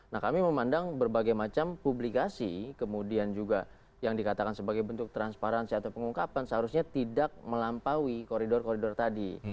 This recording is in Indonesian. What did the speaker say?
nah kami memandang berbagai macam publikasi kemudian juga yang dikatakan sebagai bentuk transparansi atau pengungkapan seharusnya tidak melampaui koridor koridor tadi